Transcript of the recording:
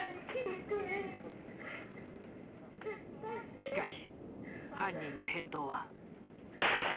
しかし犯人の返答は。